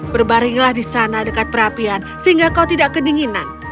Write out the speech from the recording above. berbaringlah di sana dekat perapian sehingga kau tidak kedinginan